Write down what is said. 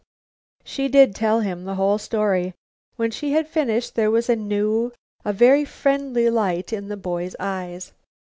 She did tell him the whole story. When she had finished, there was a new, a very friendly light in the boy's eyes.